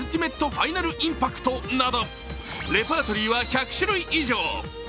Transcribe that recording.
ファイナルインパクトなど、レパートリーは１００種類以上。